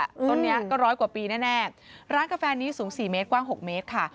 ต้นนี้ก็ร้อยกว่าปีแน่ร้านกาแฟนี้สูงสี่เมตรกว้าง๖เมตรค่ะ